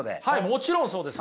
もちろんそうです。